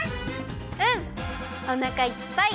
うんおなかいっぱい！